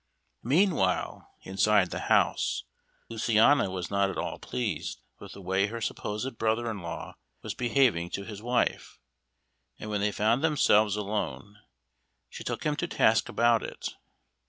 Meanwhile, inside the house, Luciana was not at all pleased with the way her supposed brother in law was behaving to his wife, and when they found themselves alone, she took him to task about it.